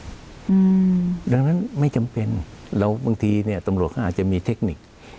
ดังนั้นไม่จำเป็นแล้วบางทีเนี่ยตำรวจเขาอาจจะมีเทคนิค